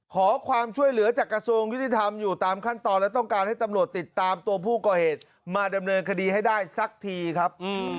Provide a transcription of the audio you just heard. ขอความช่วยเหลือจากกระทรวงยุติธรรมอยู่ตามขั้นตอนและต้องการให้ตำรวจติดตามตัวผู้ก่อเหตุมาดำเนินคดีให้ได้สักทีครับ